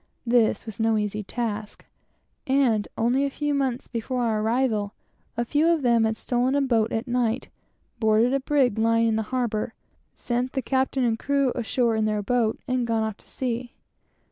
This was no easy task; and only a few months before our arrival, a few of them had stolen a boat at night, boarded a brig lying in the harbor, sent the captain and crew ashore in their boat, and gone off to sea.